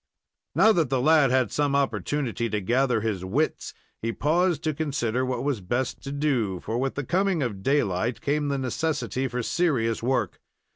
Now that the lad had some opportunity to gather his wits, he paused to consider what was best to do, for with the coming of daylight came the necessity for serious work.